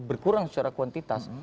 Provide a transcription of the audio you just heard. berkurang secara kuantitas